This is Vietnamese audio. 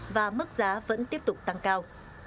và mức giá vẫn tiếp tục tăng cao